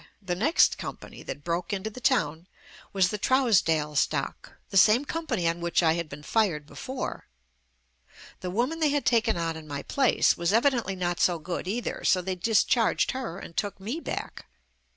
The next company that broke into the town was, "The Trousdale Stock," the same com pany on which I had been fired before. The woman they had taken on in my place was evi dently not so good either, so they discharged her and took me back.